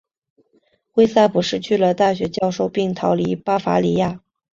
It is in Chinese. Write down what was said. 魏萨普失去了大学教职并逃离巴伐利亚。